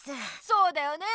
そうだよね！